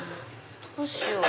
どうしよう？